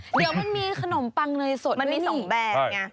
เดี๋ยวมันมีขนมปังเนยสดมันมี๒แบบไง